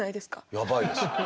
やばいです。